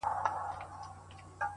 شراب لس خُمه راکړه’ غم په سېلاب راکه’